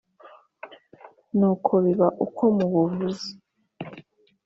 nuko biba uko mubuvuze